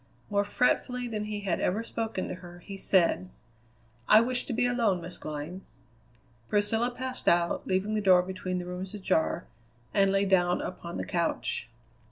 More fretfully than he had ever spoken to her, he said: "I wish to be alone, Miss Glynn." Priscilla passed out, leaving the door between the rooms ajar, and lay down upon the couch.